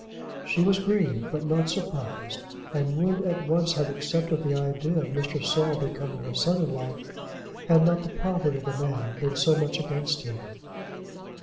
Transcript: She was grieved but not surprised, and would at once have accepted the idea of Mr. Saul becoming her son in law, had not the poverty of the man been so much against him.